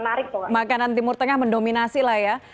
jadi makanan timur tengah mendominasi lah ya